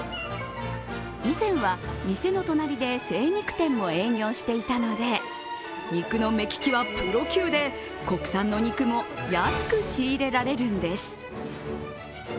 以前は店の隣で精肉店を営業していたので肉の目利きはプロ級で国産のお肉も安く仕入れられるんです。